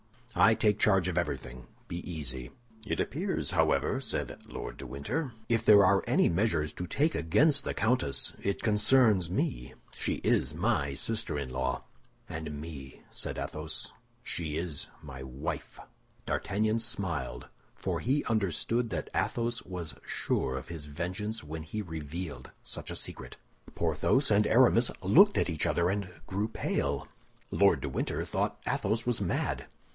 I take charge of everything; be easy." "It appears, however," said Lord de Winter, "if there are any measures to take against the countess, it concerns me; she is my sister in law." "And me," said Athos, "—she is my wife!" D'Artagnan smiled—for he understood that Athos was sure of his vengeance when he revealed such a secret. Porthos and Aramis looked at each other, and grew pale. Lord de Winter thought Athos was mad.